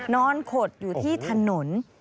ขดอยู่ที่ถนน